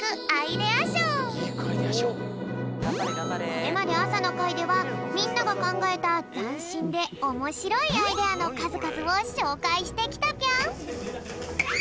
これまであさのかいではみんながかんがえたざんしんでおもしろいアイデアのかずかずをしょうかいしてきたぴょん。